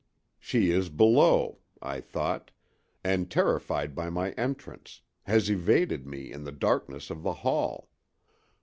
"She is below," I thought, "and terrified by my entrance has evaded me in the darkness of the hall."